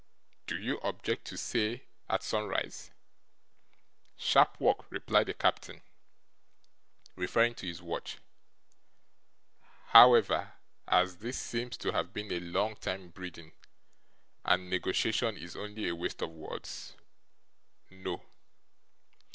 Do you object to say at sunrise?' 'Sharp work,' replied the captain, referring to his watch; 'however, as this seems to have been a long time breeding, and negotiation is only a waste of words, no.